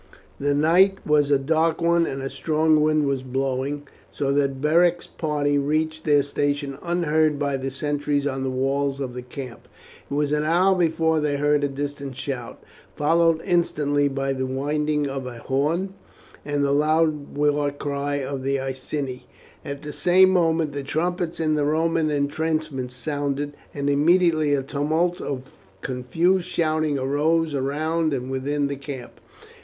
The night was a dark one and a strong wind was blowing, so that Beric's party reached their station unheard by the sentries on the walls of the camp. It was an hour before they heard a distant shout, followed instantly by the winding of a horn, and the loud war cry of the Iceni. At the same moment the trumpets in the Roman intrenchments sounded, and immediately a tumult of confused shouting arose around and within the camp.